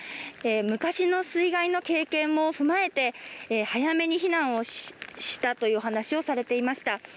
昔の水害の経験も踏まえて早めに避難をしたというお話をされていました